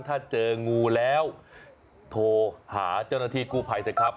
ถ้าเจองูแล้วโทรหาเจ้าหน้าที่กู้ภัยเถอะครับ